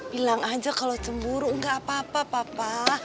bilang aja kalo cemburu gak apa apa papa